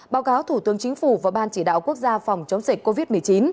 báo cáo thủ tướng chính phủ và ban chỉ đạo quốc gia phòng chống dịch covid một mươi chín